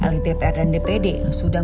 litpr dan dpd sudah